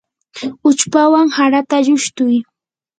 uchpawan harata llushtuy.